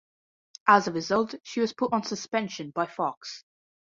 As a result, she was put on suspension by Fox.